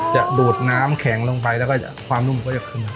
ดูดน้ำแข็งลงไปแล้วก็ความนุ่มก็จะขึ้นมา